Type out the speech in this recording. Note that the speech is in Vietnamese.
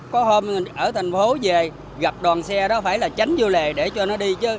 có hôm ở thành phố về gặp đoàn xe đó phải là tránh vô lề để cho nó đi chứ